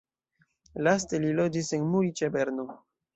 Laste li loĝis en Muri ĉe Berno.